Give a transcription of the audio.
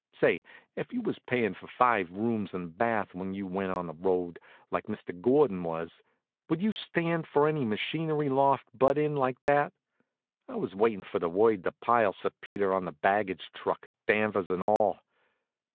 Say, if you was payin' for five rooms and bath when you went on the road, like Mr. Gordon was, would you stand for any machinery loft butt in like that? I was waitin' for the word to pile Sir Peter on the baggage truck, Danvers and all.